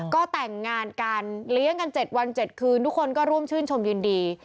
ก็แต่งงานกันเลี้ยงกัน๗วัน๗คืนทุกคนก็ร่วมชื่นชมยินดี